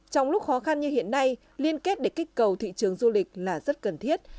trong lúc khó khăn như hiện nay liên kết để kích cầu thị trường du lịch là rất cần thiết